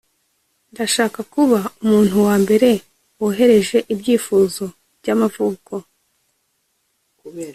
ndashaka kuba umuntu wambere wohereje ibyifuzo byamavuko